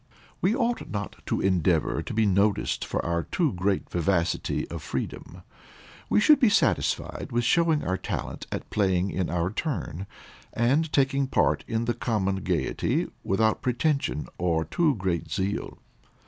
We ought not to endeavor to be noticed for our too great vivacity or freedom. We should be satisfied with showing our talent at playing in our turn, and taking part in the common gaiety, without pretension or too great zeal.